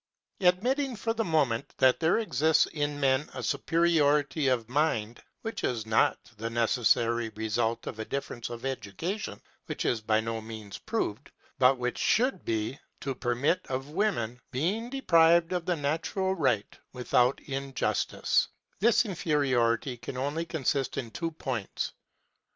Admitting for the moment that there exists in men a superiority of mind, which is not the necessary result of a difference of education (which is by no means proved, but which should be, to permit of women being deprived of a natural right without injustice), this inferiority can only consist in two points.